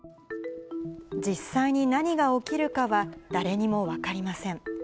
実際に何が起きるかは、誰にも分りません。